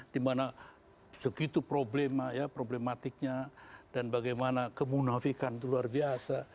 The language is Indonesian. dimana segitu problema ya problematiknya dan bagaimana kemunafikan itu luar biasa